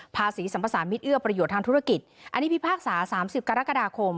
ภาษีสัมประสานมิตรเอื้อประโยชน์ทางธุรกิจอันนี้พิพากษาสามสิบกรกฎาคม